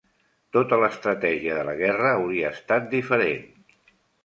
Tota l'estratègia de la guerra hauria estat diferent.